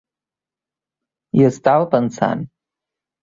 Hi estava pensant.